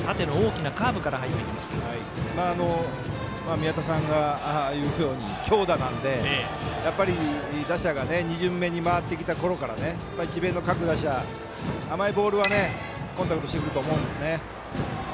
宮田さんが言うように強打なので打者が２巡目に回ってきたころから智弁の各打者、甘いボールはコンタクトしてくると思うんですよね。